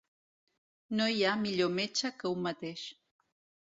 No hi ha millor metge que un mateix.